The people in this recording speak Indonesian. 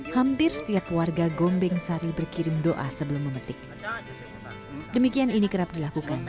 hampir setiap warga gombeng sari berkirim doa sebelum memetik demikian ini kerap dilakukan